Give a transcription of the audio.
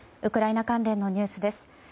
ウクライナ関連のニュースです。